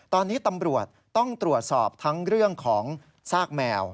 ตอนนี้ตำรวจต้องตรวจสอบทั้งเรื่องของซากแมว